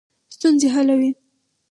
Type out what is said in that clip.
ستونزې حلوي.